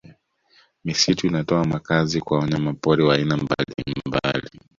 Misitu inatoa makazi kwa wanyamapori wa aina mbalimbali